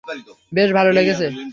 বেশ ভাল লেগেছে।